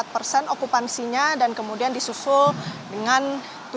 dari rasa pendudukuyopa tempatan sepuluhori danpopular sekaligus